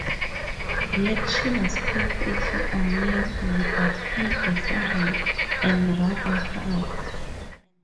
Yet she was perfectly amiable, but indifferent, and rather hard.